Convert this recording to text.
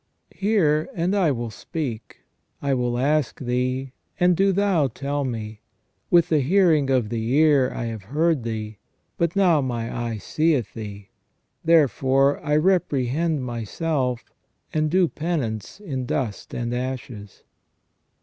Hear, and I will speak ; I will ask Thee, and do Thou tell me. With the hearing of the ear I have heard Thee, but now my eye seeth Thee. Therefore I reprehend myself, and do penance in dust and ashes."